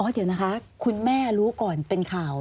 เดี๋ยวนะคะคุณแม่รู้ก่อนเป็นข่าว